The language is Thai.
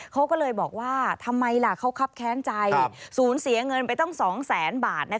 เขาก็เลยบอกว่าทำไมล่ะเขาคับแค้นใจสูญเสียเงินไปตั้ง๒แสนบาท